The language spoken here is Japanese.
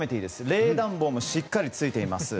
冷暖房もしっかりついています。